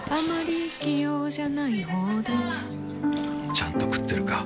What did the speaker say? ちゃんと食ってるか？